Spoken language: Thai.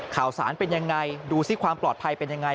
ข่าวสารเป็นยังไงดูสิความปลอดภัยเป็นยังไง